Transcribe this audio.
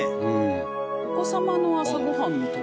お子様の朝ご飯みたい。